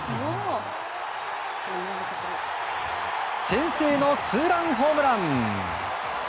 先制のツーランホームラン。